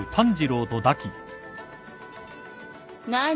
何？